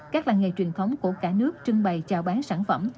các làng nghề truyền thống của cả nước trưng bày chào bán sản phẩm